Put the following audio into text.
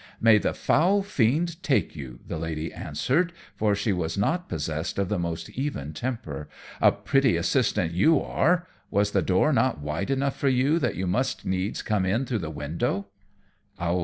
"May the foul fiend take you," the lady answered, for she was not possessed of the most even temper, "a pretty assistant you are. Was the door not wide enough for you, that you must needs come in through the window?"